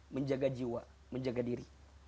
menjaga jiwa menjaga diri